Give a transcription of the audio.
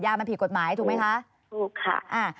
มันผิดกฎหมายถูกไหมคะถูกค่ะอ่า